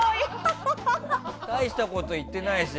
大したこと言ってないし